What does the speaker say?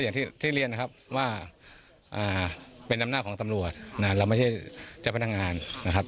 อย่างที่เรียนนะครับว่าเป็นอำนาจของตำรวจเราไม่ใช่เจ้าพนักงานนะครับ